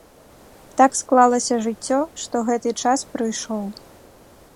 Так склалася жыццё, што гэты час прыйшоў.